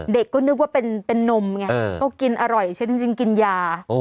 เด็กก็นึกว่าเป็นนมไงก็กินอร่อยฉันจริงกินยา